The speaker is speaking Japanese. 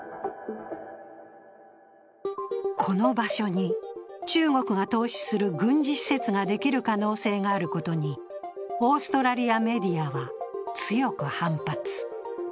この場所に中国が投資する軍事施設ができる可能性があることにオーストラリアメディアは強く反発。